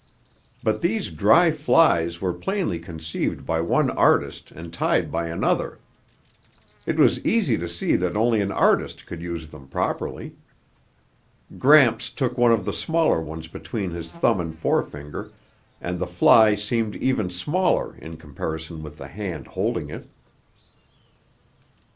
But these dry flies were plainly conceived by one artist and tied by another. It was easy to see that only an artist could use them properly. Gramps took one of the smaller ones between his thumb and forefinger, and the fly seemed even smaller in comparison with the hand holding it.